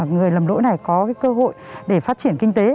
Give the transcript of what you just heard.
người lầm lỗi này có cơ hội để phát triển kinh tế